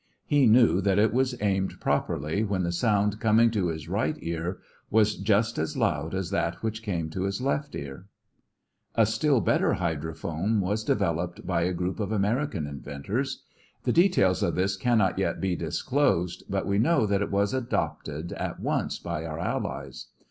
He knew that it was aimed properly when the sound coming to his right ear was just as loud as that which came into his left ear. A still better hydrophone was developed by a group of American inventors. The details of this cannot yet be disclosed, but we know that it was adopted at once by our allies.